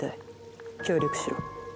協力しろ。